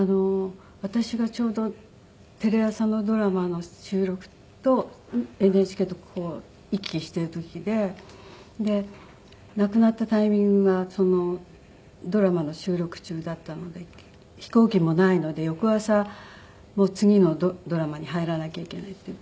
私がちょうどテレ朝のドラマの収録とＮＨＫと行き来している時で。で亡くなったタイミングがドラマの収録中だったので飛行機もないので翌朝次のドラマに入らなきゃいけないっていう。